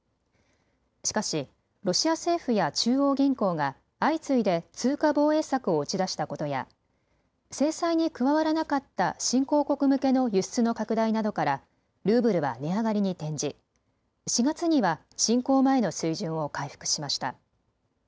しかしロシア政府や中央銀行が相次いで通貨防衛策を打ち出したことや制裁に加わらなかった新興国向けの輸出の拡大などからルーブルは値上がりに転じ４月には侵攻前の水準を回復しました。